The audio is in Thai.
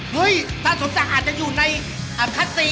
เฮ้ยท่านสมศักดิ์อาจจะอยู่ในอัฮระศรี